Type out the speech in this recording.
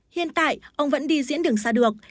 hiện tại ông vẫn đi diễn đường xa được